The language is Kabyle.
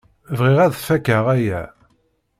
Bɣiɣ ad fakeɣ aya.